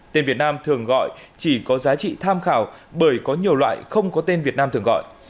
tên việt nam thường gọi chỉ có giá trị tham khảo bởi có nhiều loại không có tên việt nam thường gọi